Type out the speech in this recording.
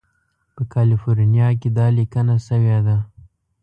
په کالیفورنیا کې دا لیکنه شوې ده.